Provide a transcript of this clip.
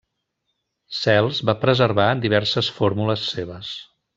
Cels va preservar diverses fórmules seves.